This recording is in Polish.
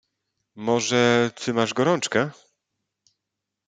"Może ty masz gorączkę?"